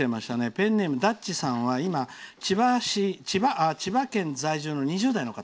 ペンネーム、だっちさんは今、千葉県在住の２０代の方。